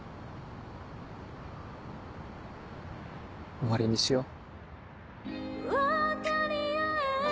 終わりにしよう。